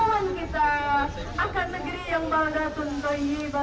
untuk kita menunjukkan kecintaan kita